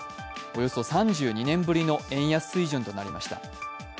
およそ３２年ぶりの円安水準となりました。